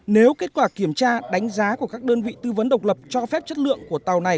nếu kết quả kiểm tra đánh giá của các đơn vị tư vấn độc lập cho phép chất lượng của tàu này